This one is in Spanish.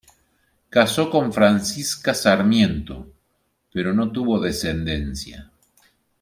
Casó con Francisca Sarmiento, pero no tuvo descendencia.